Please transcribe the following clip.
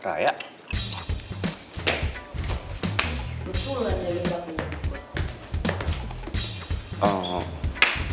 betul kan dia libatin